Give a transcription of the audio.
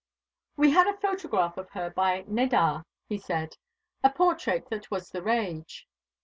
"We had a photograph of her by Nadar," he said "a portrait that was the rage.